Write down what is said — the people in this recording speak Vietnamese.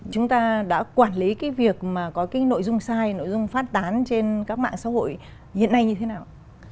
chúng ta đã quản lý cái việc mà có cái nội dung sai nội dung phát tán trên các mạng xã hội hiện nay như thế nào